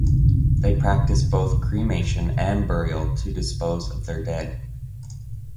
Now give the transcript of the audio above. They practise both cremation and burial to dispose of their dead.